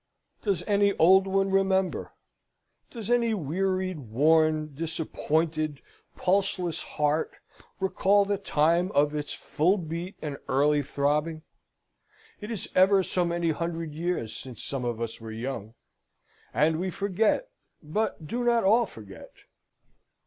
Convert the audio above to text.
does any old one remember? does any wearied, worn, disappointed pulseless heart recall the time of its full beat and early throbbing? It is ever so many hundred years since some of us were young; and we forget, but do not all forget.